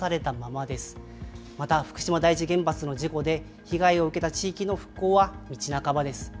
また、福島第一原発の事故で、被害を受けた地域の復興は道半ばです。